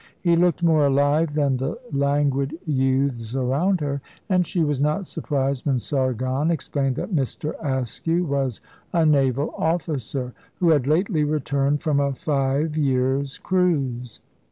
He looked more alive than the languid youths around her, and she was not surprised when Sargon explained that Mr. Askew was a naval officer, who had lately returned from a five years' cruise.